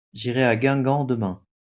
j'irai à Guingamp demain.